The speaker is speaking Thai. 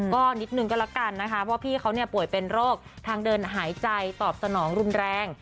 ก็นิดนึงก็แล้วกันนะคะเพราะพี่เขาป่วยเป็นโรคทางเดินหายใจตอบสนองรุนแรง